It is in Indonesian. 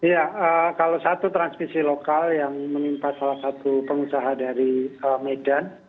ya kalau satu transmisi lokal yang menimpa salah satu pengusaha dari medan